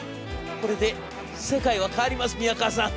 『これで世界は変わります宮河さん！』。